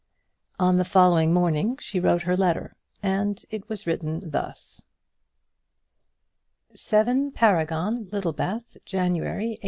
On the following morning she wrote her letter, and it was written thus: 7 Paragon, Littlebath, January, 186